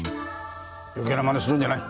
余計な真似するんじゃない。